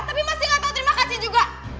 tapi masih gak tau terima kasih juga